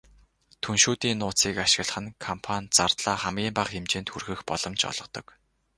Түншүүдийн нууцыг ашиглах нь компани зардлаа хамгийн бага хэмжээнд хүргэх боломж олгодог.